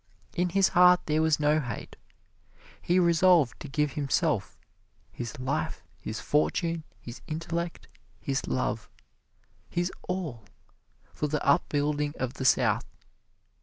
In his heart there was no hate. He resolved to give himself his life his fortune his intellect his love his all, for the upbuilding of the South.